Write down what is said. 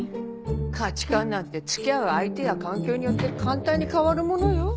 価値観なんて付き合う相手や環境によって簡単に変わるものよ。